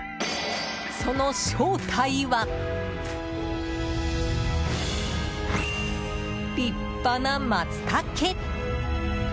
その正体は、立派なマツタケ。